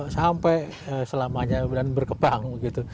sampai selamanya berkebang gitu